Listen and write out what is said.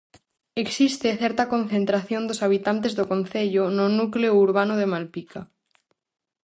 Existe certa concentración dos habitantes do concello no núcleo urbano de Malpica.